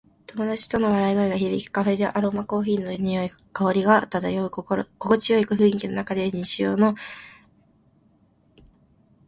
友達との笑い声が響くカフェで、アロマコーヒーの香りが漂う。心地よい雰囲気の中で、日常の喧騒から解放される瞬間だ。